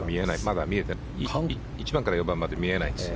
１番から４番まで見えないんですよね。